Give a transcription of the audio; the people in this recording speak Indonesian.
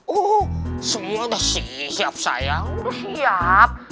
oh semua udah siap sayang udah siap